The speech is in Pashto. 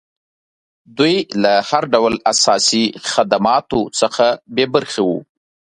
دوی له هر ډول اساسي خدماتو څخه بې برخې وو.